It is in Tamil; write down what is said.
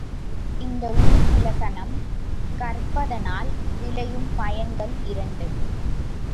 இந்த உறுப்பிலக்கணம் கற்பதனால் விளையும் பயன்கள் இரண்டு.